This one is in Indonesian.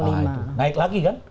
nah itu naik lagi kan